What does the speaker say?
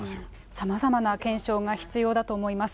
さまざまな検証が必要だと思います。